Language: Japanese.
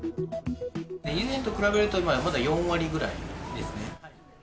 以前と比べるとまだ４割ぐらいですね。